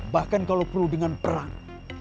bahkan kalau perlu dengan perang